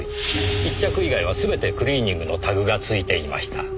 １着以外は全てクリーニングのタグがついていました。